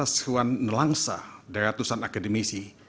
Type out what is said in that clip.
salah satu a canele